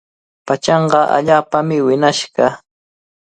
Pachanqa allaapami wiñashqa.